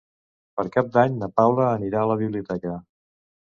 Per Cap d'Any na Paula anirà a la biblioteca.